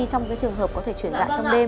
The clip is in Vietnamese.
trong cái trường hợp có thể chuyển dạ trong đêm